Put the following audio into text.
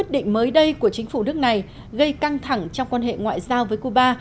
định mới đây của chính phủ nước này gây căng thẳng trong quan hệ ngoại giao với cuba